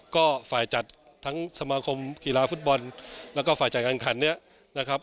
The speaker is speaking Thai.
ก็ฝ่ายจัดทั้งสมาคมกีฬาฟุตบอลและฝ่ายจัดการขัน